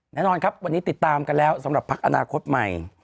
แน่นอนครับวันนี้ติดตามกันแล้วสำหรับพักอนาคตใหม่